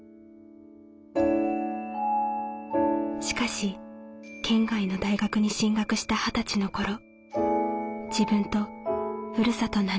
しかし県外の大学に進学した二十歳の頃自分とふるさと